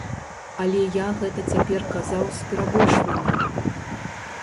Але я гэта цяпер казаў з перабольшваннем!